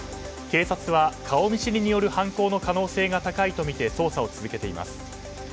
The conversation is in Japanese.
警察は顔見知りによる犯行の可能性が高いとみて捜査を続けています。